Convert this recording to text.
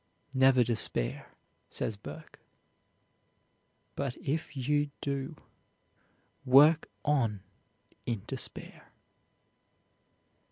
"Never despair," says Burke; "but if you do, work on in despair."